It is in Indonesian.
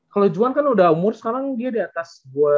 kalo juhan kan udah umur sekarang dia diatas